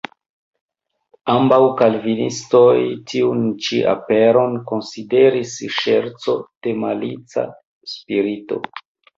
Ambaŭ kalvinistoj tiun ĉi aperon konsideris ŝerco de malica spirito.